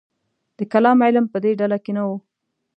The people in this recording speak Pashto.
د کلام علم په دې ډله کې نه و.